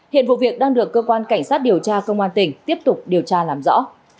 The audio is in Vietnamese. hiện vụ việc đang được cơ quan cảnh sát điều tra công an tỉnh tiếp tục điều tra làm rõ